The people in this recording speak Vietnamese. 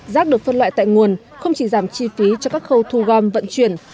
rác được phân loại tại nguồn không chỉ giảm chi phí cho các khâu thu gom vận chuyển